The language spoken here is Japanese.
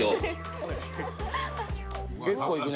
結構いくね。